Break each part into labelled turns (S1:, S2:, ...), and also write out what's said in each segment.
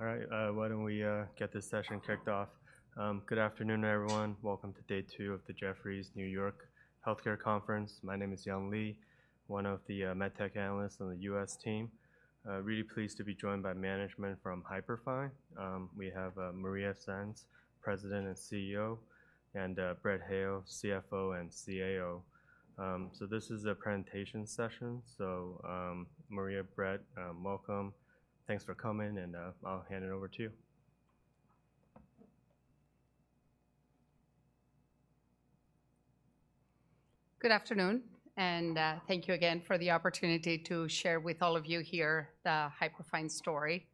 S1: All right, why don't we get this session kicked off? Good afternoon, everyone. Welcome to day two of the Jefferies New York Healthcare Conference. My name is Young Li, one of the med tech analysts on the U.S. team. Really pleased to be joined by management from Hyperfine. We have Maria Sainz, President and CEO, and Brett Hale, CFO and CAO. So this is a presentation session. So, Maria, Brett, welcome. Thanks for coming, and I'll hand it to you.
S2: Good afternoon, and thank you again for the opportunity to share with all of you here the Hyperfine story.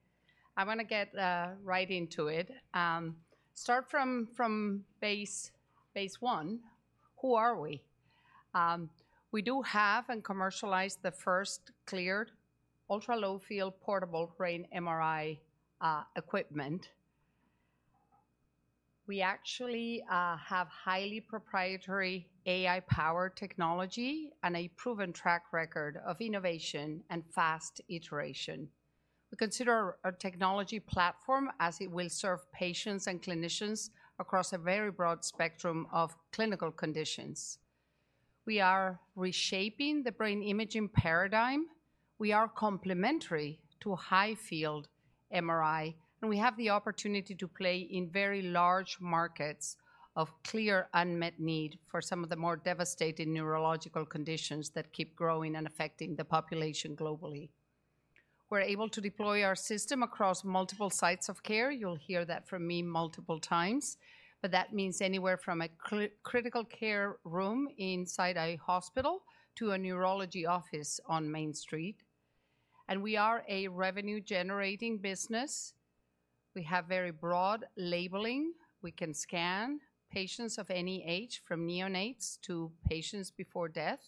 S2: I wanna get right into it. Start from base one, who are we? We do have and commercialize the first cleared, ultra-low field, portable brain MRI equipment. We actually have highly proprietary AI-powered technology and a proven track record of innovation and fast iteration. We consider our technology platform as it will serve patients and clinicians across a very broad spectrum of clinical conditions. We are reshaping the brain imaging paradigm. We are complementary to high-field MRI, and we have the opportunity to play in very large markets of clear unmet need for some of the more devastating neurological conditions that keep growing and affecting the population globally. We're able to deploy our system across multiple sites of care. You'll hear that from me multiple times, but that means anywhere from a critical care room inside a hospital to a neurology office on Main Street. We are a revenue-generating business. We have very broad labeling. We can scan patients of any age, from neonates to patients before death.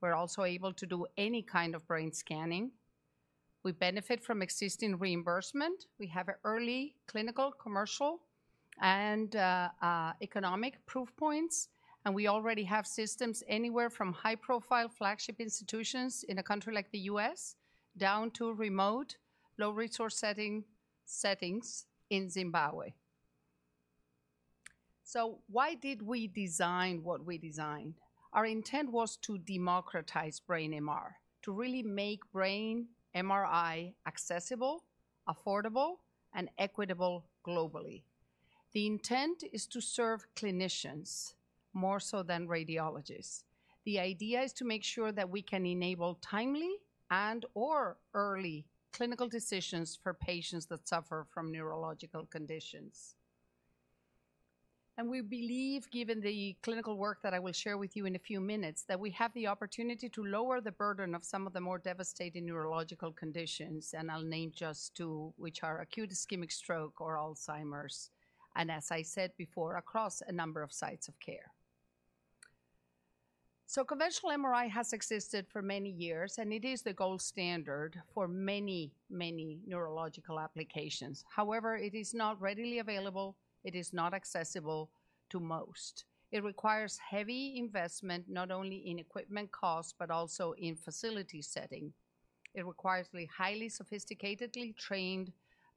S2: We're also able to do any kind of brain scanning. We benefit from existing reimbursement. We have early clinical, commercial, and economic proof points, and we already have systems anywhere from high-profile flagship institutions in a country like the U.S., down to remote, low-resource setting, settings in Zimbabwe. So why did we design what we designed? Our intent was to democratize brain MR, to really make brain MRI accessible, affordable, and equitable globally. The intent is to serve clinicians more so than radiologists. The idea is to make sure that we can enable timely and/or early clinical decisions for patients that suffer from neurological conditions. And we believe, given the clinical work that I will share with you in a few minutes, that we have the opportunity to lower the burden of some of the more devastating neurological conditions, and I'll name just two, which are acute ischemic stroke or Alzheimer's, and as I said before, across a number of sites of care. So conventional MRI has existed for many years, and it is the gold standard for many, many neurological applications. However, it is not readily available, it is not accessible to most. It requires heavy investment, not only in equipment costs, but also in facility setting. It requires highly sophisticated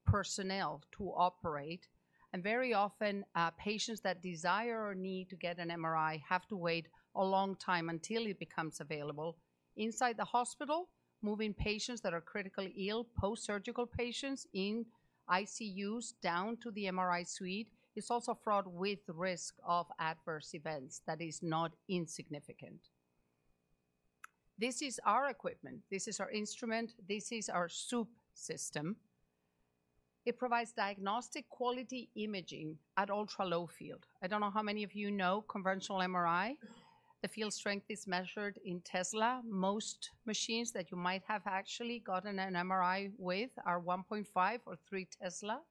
S2: personnel to operate, and very often, patients that desire or need to get an MRI have to wait a long time until it becomes available. Inside the hospital, moving patients that are critically ill, post-surgical patients in ICUs down to the MRI suite, is also fraught with risk of adverse events that is not insignificant. This is our equipment. This is our instrument. This is our Swoop system. It provides diagnostic quality imaging at ultra-low field. I don't know how many of you know conventional MRI. The field strength is measured in Tesla. Most machines that you might have actually gotten an MRI with are 1.5 or 3 Tesla.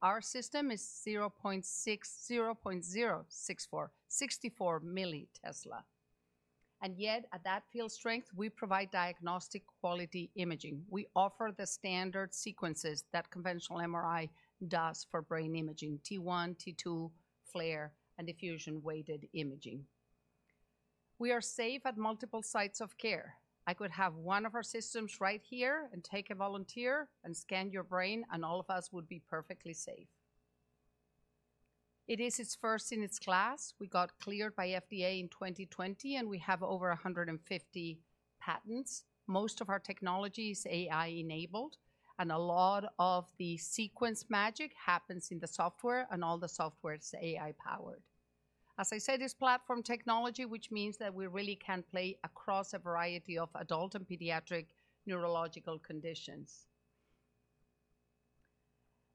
S2: Our system is 0.6—0.064—64 millitesla, and yet at that field strength, we provide diagnostic quality imaging. We offer the standard sequences that conventional MRI does for brain imaging, T1, T2, FLAIR, and diffusion-weighted imaging. We are safe at multiple sites of care. I could have one of our systems right here and take a volunteer and scan your brain, and all of us would be perfectly safe. It's the first in its class. We got cleared by FDA in 2020, and we have over 150 patents. Most of our technology is AI-enabled, and a lot of the sequence magic happens in the software, and all the software is AI-powered. As I said, it's platform technology, which means that we really can play across a variety of adult and pediatric neurological conditions.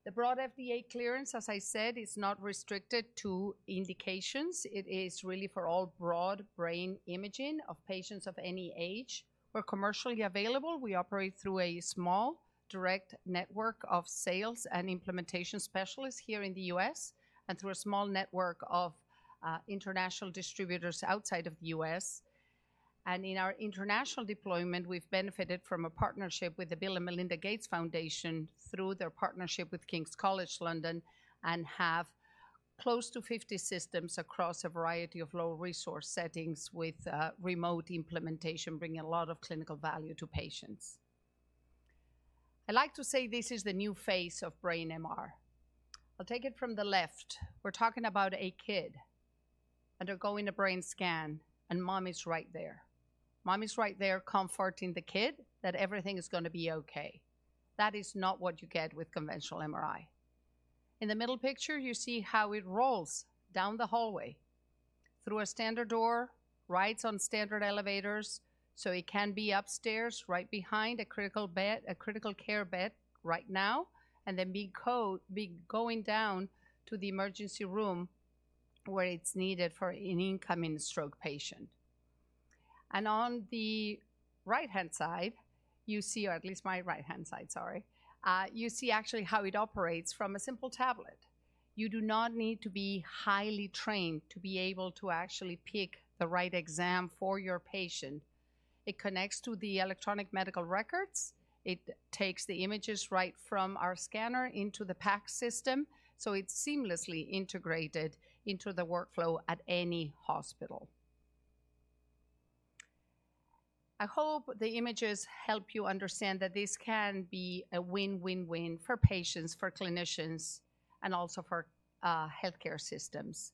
S2: The broad FDA clearance, as I said, is not restricted to indications. It is really for all broad brain imaging of patients of any age. We're commercially available. We operate through a small, direct network of sales and implementation specialists here in the U.S. and through a small network of international distributors outside of the U.S. And in our international deployment, we've benefited from a partnership with the Bill and Melinda Gates Foundation through their partnership with King's College London and have close to 50 systems across a variety of low-resource settings with remote implementation, bringing a lot of clinical value to patients. I like to say this is the new face of brain MR. I'll take it from the left. We're talking about a kid undergoing a brain scan, and mom is right there. Mom is right there comforting the kid that everything is gonna be okay. That is not what you get with conventional MRI. In the middle picture, you see how it rolls down the hallway, through a standard door, rides on standard elevators, so it can be upstairs right behind a critical bed, a critical care bed right now, and then be going down to the emergency room, where it's needed for an incoming stroke patient. On the right-hand side, you see, or at least my right-hand side, sorry, you see actually how it operates from a simple tablet. You do not need to be highly trained to be able to actually pick the right exam for your patient. It connects to the electronic medical records. It takes the images right from our scanner into the PACS system, so it's seamlessly integrated into the workflow at any hospital. I hope the images help you understand that this can be a win-win-win for patients, for clinicians, and also for healthcare systems.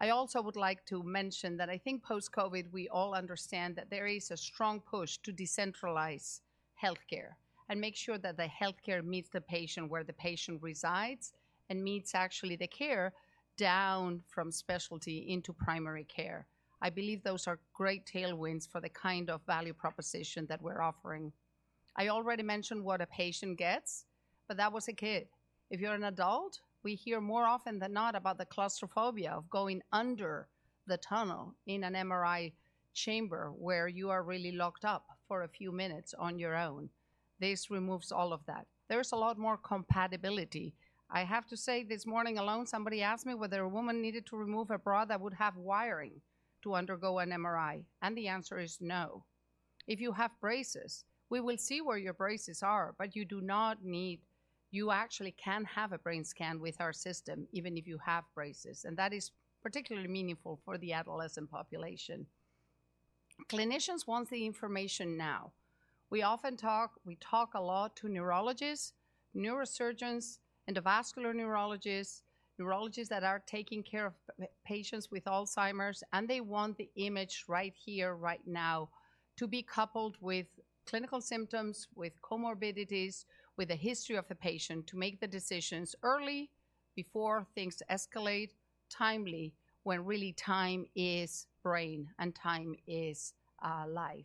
S2: I also would like to mention that I think post-COVID, we all understand that there is a strong push to decentralize healthcare and make sure that the healthcare meets the patient where the patient resides and meets actually the care down from specialty into primary care. I believe those are great tailwinds for the kind of value proposition that we're offering. I already mentioned what a patient gets, but that was a kid. If you're an adult, we hear more often than not about the claustrophobia of going under the tunnel in an MRI chamber, where you are really locked up for a few minutes on your own. This removes all of that. There's a lot more compatibility. I have to say, this morning alone, somebody asked me whether a woman needed to remove a bra that would have wiring to undergo an MRI, and the answer is no. If you have braces, we will see where your braces are, but you do not need, you actually can have a brain scan with our system, even if you have braces, and that is particularly meaningful for the adolescent population. Clinicians want the information now. We often talk, we talk a lot to neurologists, neurosurgeons, endovascular neurologists, neurologists that are taking care of patients with Alzheimer's, and they want the image right here, right now, to be coupled with clinical symptoms, with comorbidities, with a history of the patient, to make the decisions early before things escalate timely, when really time is brain and time is life.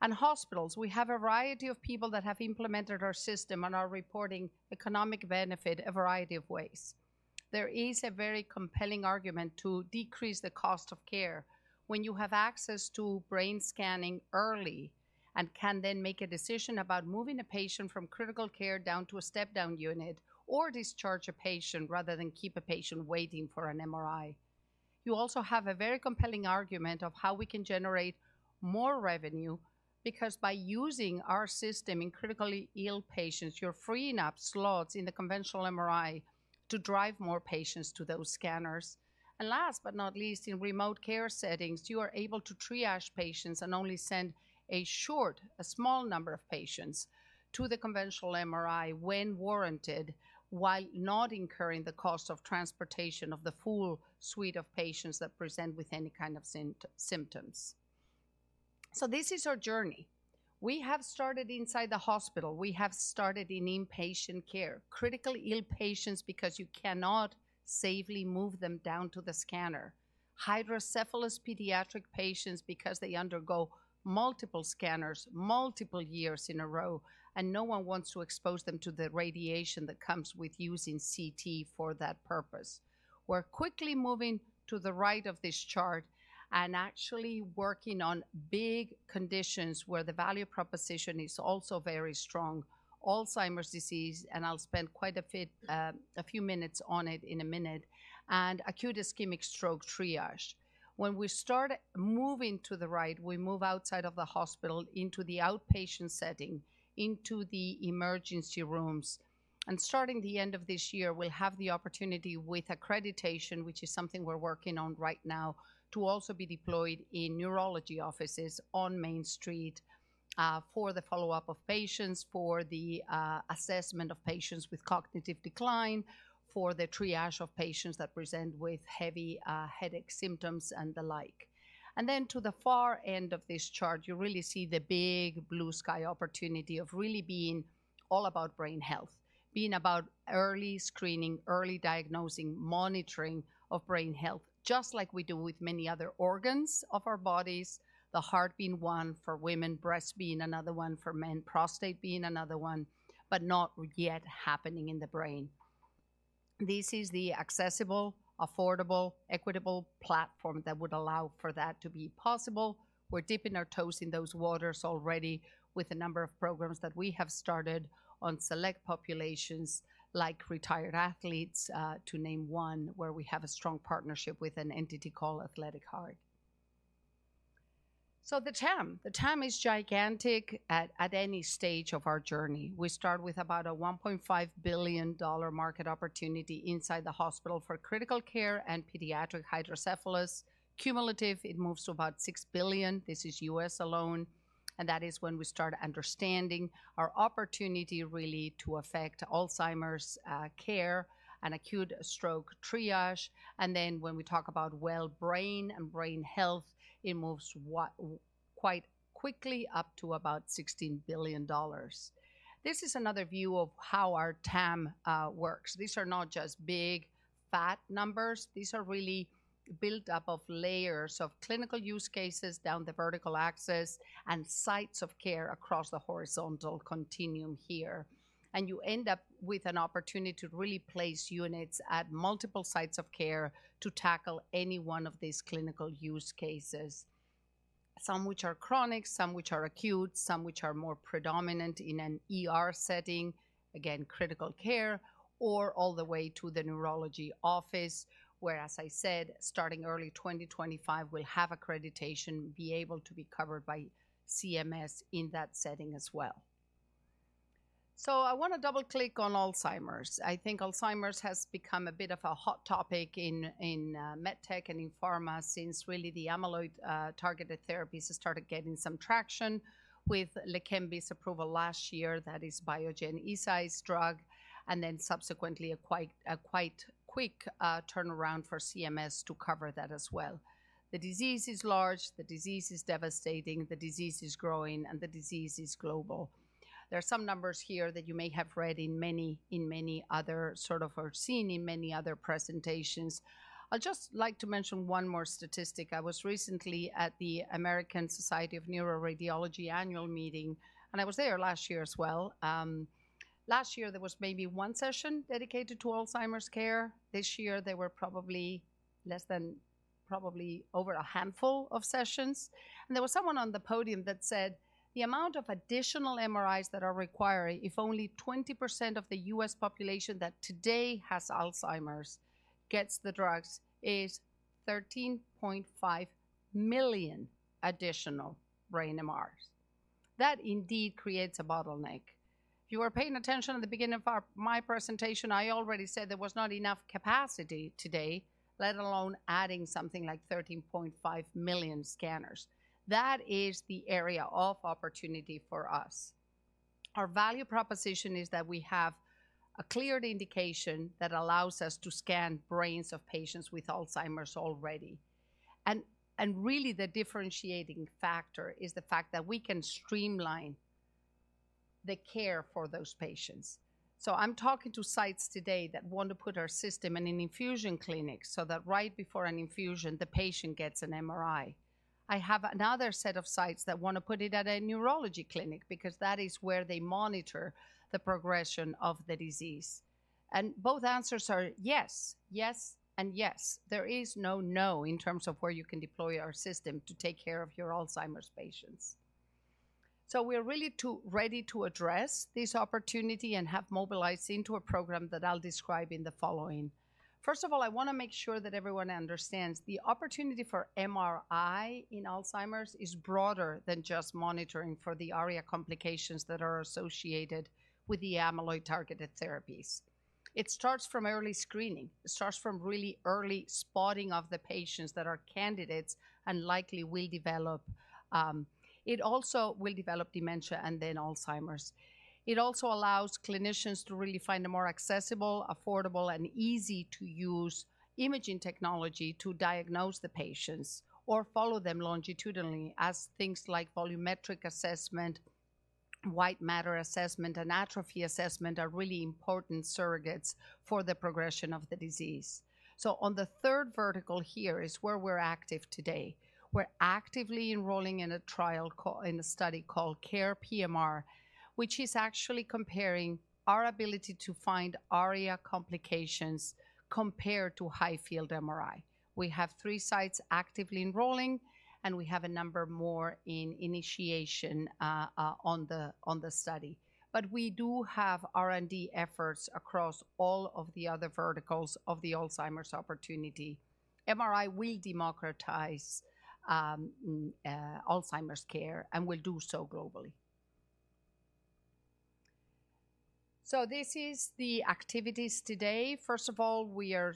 S2: Hospitals, we have a variety of people that have implemented our system and are reporting economic benefit a variety of ways. There is a very compelling argument to decrease the cost of care when you have access to brain scanning early and can then make a decision about moving a patient from critical care down to a step-down unit or discharge a patient rather than keep a patient waiting for an MRI. You also have a very compelling argument of how we can generate more revenue, because by using our system in critically ill patients, you're freeing up slots in the conventional MRI to drive more patients to those scanners. Last but not least, in remote care settings, you are able to triage patients and only send a short, a small number of patients to the conventional MRI when warranted, while not incurring the cost of transportation of the full suite of patients that present with any kind of symptoms. This is our journey. We have started inside the hospital. We have started in inpatient care, critically ill patients, because you cannot safely move them down to the scanner. Hydrocephalus pediatric patients because they undergo multiple scanners, multiple years in a row, and no one wants to expose them to the radiation that comes with using CT for that purpose. We're quickly moving to the right of this chart and actually working on big conditions where the value proposition is also very strong, Alzheimer's disease, and I'll spend quite a bit, a few minutes on it in a minute, and acute ischemic stroke triage. When we start moving to the right, we move outside of the hospital into the outpatient setting, into the emergency rooms, and starting the end of this year, we'll have the opportunity with accreditation, which is something we're working on right now, to also be deployed in neurology offices on Main Street, for the follow-up of patients, for the assessment of patients with cognitive decline, for the triage of patients that present with heavy headache symptoms and the like. To the far end of this chart, you really see the big blue sky opportunity of really being all about brain health, being about early screening, early diagnosing, monitoring of brain health, just like we do with many other organs of our bodies, the heart being one for women, breast being another one, for men, prostate being another one, but not yet happening in the brain. This is the accessible, affordable, equitable platform that would allow for that to be possible. We're dipping our toes in those waters already with a number of programs that we have started on select populations, like retired athletes, to name one, where we have a strong partnership with an entity called Athletic Heart. So the TAM, the TAM is gigantic at any stage of our journey. We start with about a $1.5 billion market opportunity inside the hospital for critical care and pediatric hydrocephalus. Cumulative, it moves to about $6 billion. This is U.S. alone, and that is when we start understanding our opportunity really to affect Alzheimer's care and acute stroke triage. And then when we talk about well brain and brain health, it moves quite quickly up to about $16 billion. This is another view of how our TAM works. These are not just big, fat numbers. These are really built up of layers of clinical use cases down the vertical axis and sites of care across the horizontal continuum here. And you end up with an opportunity to really place units at multiple sites of care to tackle any one of these clinical use cases, some which are chronic, some which are acute, some which are more predominant in an ER setting, again, critical care, or all the way to the neurology office, where, as I said, starting early 2025, we'll have accreditation, be able to be covered by CMS in that setting as well. So I wanna double-click on Alzheimer's. I think Alzheimer's has become a bit of a hot topic in med tech and in pharma since really the amyloid targeted therapies started getting some traction with LEQEMBI's approval last year, that is Biogen Eisai's drug, and then subsequently, a quite quick turnaround for CMS to cover that as well. The disease is large, the disease is devastating, the disease is growing, and the disease is global. There are some numbers here that you may have read in many, in many other, sort of, or seen in many other presentations. I'd just like to mention one more statistic. I was recently at the American Society of Neuroradiology annual meeting, and I was there last year as well. Last year, there was maybe one session dedicated to Alzheimer's care. This year, there were probably less than over a handful of sessions. And there was someone on the podium that said, "The amount of additional MRIs that are required, if only 20% of the U.S. population that today has Alzheimer's gets the drugs, is 13.5 million additional brain MRs." That indeed creates a bottleneck. If you were paying attention at the beginning of our, my presentation, I already said there was not enough capacity today, let alone adding something like 13.5 million scanners. That is the area of opportunity for us. Our value proposition is that we have a cleared indication that allows us to scan brains of patients with Alzheimer's already. And, and really, the differentiating factor is the fact that we can streamline the care for those patients. So I'm talking to sites today that want to put our system in an infusion clinic so that right before an infusion, the patient gets an MRI. I have another set of sites that wanna put it at a neurology clinic because that is where they monitor the progression of the disease. And both answers are yes, yes, and yes. There is no in terms of where you can deploy our system to take care of your Alzheimer's patients. So we're really ready to address this opportunity and have mobilized into a program that I'll describe in the following. First of all, I wanna make sure that everyone understands the opportunity for MRI in Alzheimer's is broader than just monitoring for the ARIA complications that are associated with the amyloid-targeted therapies. It starts from early screening. It starts from really early spotting of the patients that are candidates and likely will develop. It also will develop dementia and then Alzheimer's. It also allows clinicians to really find a more accessible, affordable, and easy-to-use imaging technology to diagnose the patients or follow them longitudinally, as things like volumetric assessment, white matter assessment, and atrophy assessment are really important surrogates for the progression of the disease. So on the third vertical here is where we're active today. We're actively enrolling in a study called CARE PMR, which is actually comparing our ability to find ARIA complications compared to high-field MRI. We have three sites actively enrolling, and we have a number more in initiation on the study. But we do have R&D efforts across all of the other verticals of the Alzheimer's opportunity. MRI will democratize Alzheimer's care, and will do so globally. So this is the activities today. First of all, we are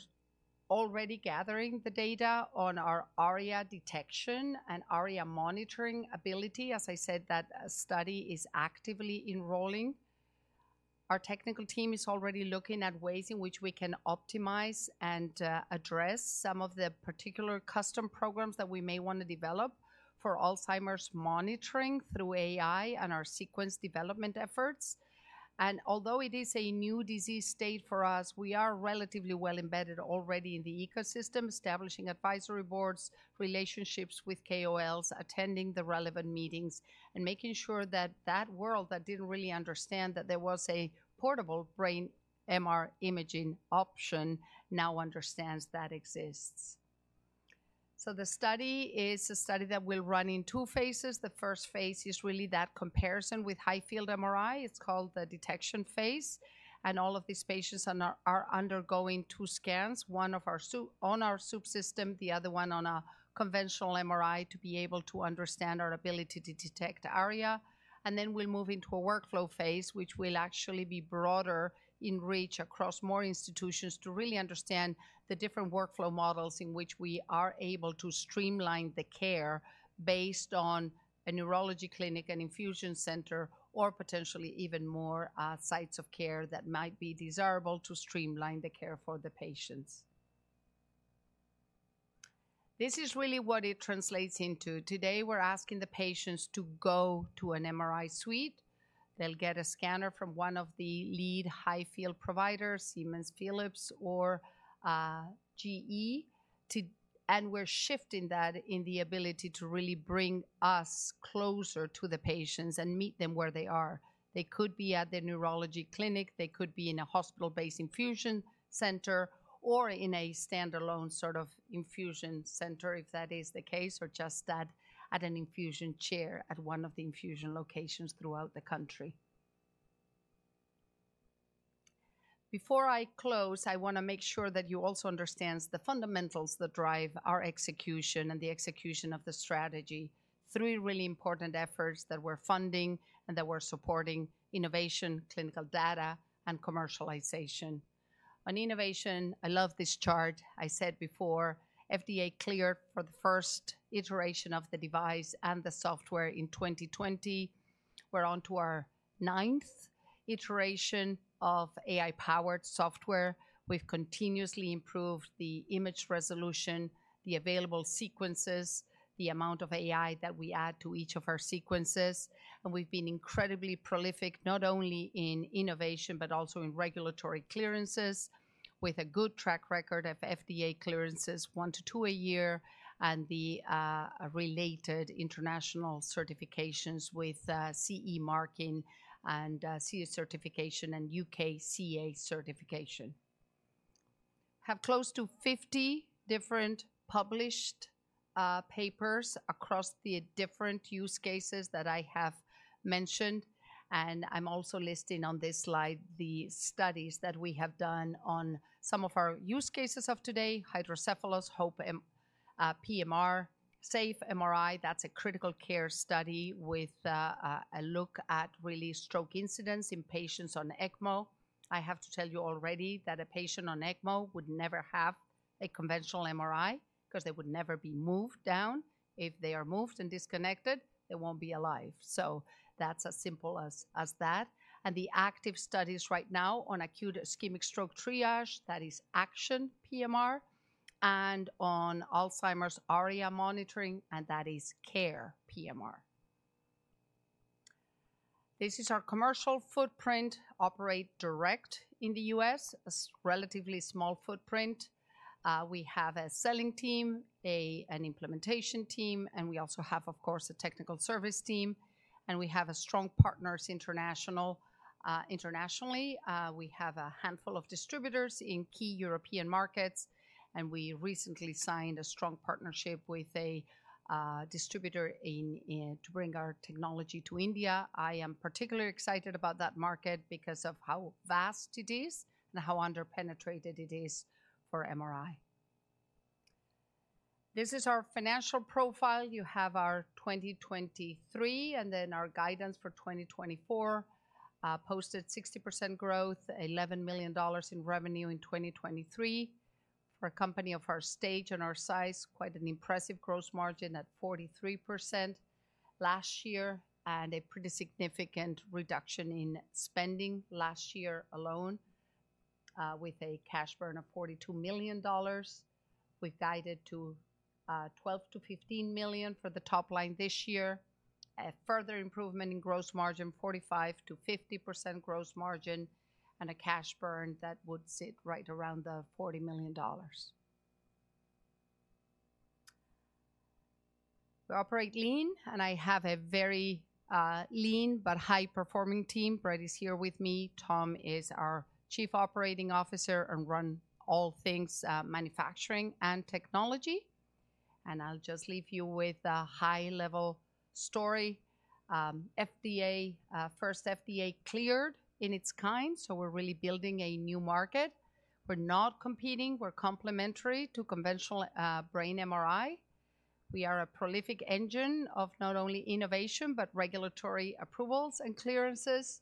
S2: already gathering the data on our ARIA detection and ARIA monitoring ability. As I said, that study is actively enrolling. Our technical team is already looking at ways in which we can optimize and address some of the particular custom programs that we may want to develop for Alzheimer's monitoring through AI and our sequence development efforts. And although it is a new disease state for us, we are relatively well embedded already in the ecosystem, establishing advisory boards, relationships with KOLs, attending the relevant meetings, and making sure that that world that didn't really understand that there was a portable brain MR imaging option now understands that exists. So the study is a study that will run in two phases. The first phase is really that comparison with high-field MRI. It's called the detection phase, and all of these patients are now, are undergoing two scans, one on our Swoop system, the other one on a conventional MRI, to be able to understand our ability to detect ARIA. And then we'll move into a workflow phase, which will actually be broader in reach across more institutions to really understand the different workflow models in which we are able to streamline the care based on a neurology clinic, an infusion center, or potentially even more sites of care that might be desirable to streamline the care for the patients. This is really what it translates into. Today, we're asking the patients to go to an MRI suite. They'll get a scanner from one of the lead high-field providers, Siemens, Philips, or GE. And we're shifting that in the ability to really bring us closer to the patients and meet them where they are. They could be at the neurology clinic, they could be in a hospital-based infusion center or in a standalone sort of infusion center, if that is the case, or just at an infusion chair at one of the infusion locations throughout the country. Before I close, I wanna make sure that you also understand the fundamentals that drive our execution and the execution of the strategy. Three really important efforts that we're funding and that we're supporting: innovation, clinical data, and commercialization. On innovation, I love this chart. I said before, FDA cleared for the first iteration of the device and the software in 2020. We're onto our ninth iteration of AI-powered software. We've continuously improved the image resolution, the available sequences, the amount of AI that we add to each of our sequences, and we've been incredibly prolific, not only in innovation, but also in regulatory clearances, with a good track record of FDA clearances, 1-2 a year, and the related international certifications with CE marking and CE certification and UKCA certification. Have close to 50 different published papers across the different use cases that I have mentioned, and I'm also listing on this slide the studies that we have done on some of our use cases of today, hydrocephalus, HOPE, PMR, SAFE-MRI, that's a critical care study with a look at really stroke incidents in patients on ECMO. I have to tell you already that a patient on ECMO would never have a conventional MRI 'cause they would never be moved down. If they are moved and disconnected, they won't be alive. So that's as simple as that. The active studies right now on acute ischemic stroke triage, that is ACTION PMR, and on Alzheimer's ARIA monitoring, and that is CARE PMR. This is our commercial footprint. We operate directly in the U.S., a relatively small footprint. We have a selling team, an implementation team, and we also have, of course, a technical service team, and we have strong partners internationally. We have a handful of distributors in key European markets, and we recently signed a strong partnership with a distributor in India to bring our technology to India. I am particularly excited about that market because of how vast it is and how underpenetrated it is for MRI. This is our financial profile. You have our 2023, and then our guidance for 2024. Posted 60% growth, $11 million in revenue in 2023. For a company of our stage and our size, quite an impressive gross margin at 43% last year and a pretty significant reduction in spending last year alone, with a cash burn of $42 million. We've guided to $12 million-$15 million for the top line this year. A further improvement in gross margin, 45%-50% gross margin, and a cash burn that would sit right around the $40 million. We operate lean, and I have a very lean but high-performing team. Brett is here with me. Tom is our Chief Operating Officer and run all things, manufacturing and technology. I'll just leave you with a high-level story. FDA first FDA cleared in its kind, so we're really building a new market. We're not competing. We're complementary to conventional brain MRI. We are a prolific engine of not only innovation, but regulatory approvals and clearances.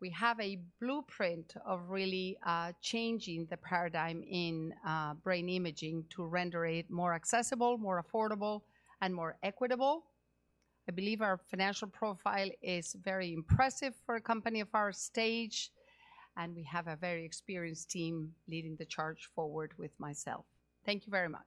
S2: We have a blueprint of really changing the paradigm in brain imaging to render it more accessible, more affordable, and more equitable. I believe our financial profile is very impressive for a company of our stage, and we have a very experienced team leading the charge forward with myself. Thank you very much.